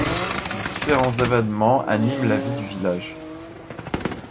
Différents événements animent la vie du village.